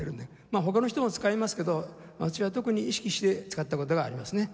まあ他の人も使いますけど私は特に意識して使った事がありますね。